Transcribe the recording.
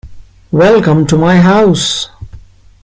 Welcome to my house.